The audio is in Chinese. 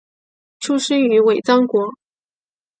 出生于尾张国。